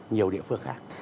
nhiều địa phương khác